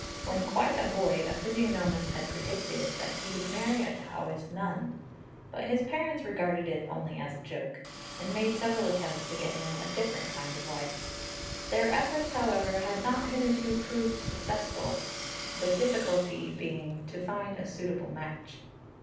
When quite a boy, a physiognomist had predicted that he would marry a Taoist nun; but his parents regarded it only as a joke, and made several attempts to get him a different kind of wife. Their efforts, however, had not hitherto proved successful, the difficulty being to find a suitable match.